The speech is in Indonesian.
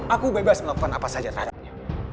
aku bebas melakukan apa saja terhadapnya